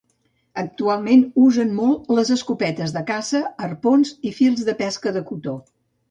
Actualment usen molt les escopetes de caça, arpons i fils de pesca de cotó.